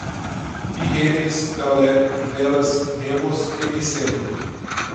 birremes, galé, velas, remos, epicentro